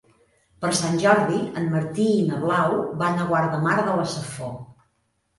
Per Sant Jordi en Martí i na Blau van a Guardamar de la Safor.